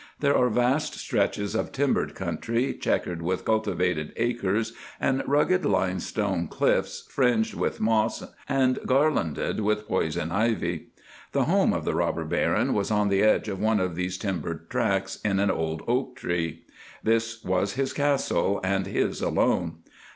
There are vast stretches of timbered country checkered with cultivated acres, and rugged limestone cliffs fringed with moss and garlanded with poison ivy. The home of the Robber Baron was on the edge of one of these timbered tracts, in an old oak tree. This was his castle, and his alone.